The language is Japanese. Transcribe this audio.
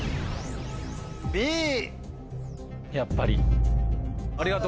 やっぱり。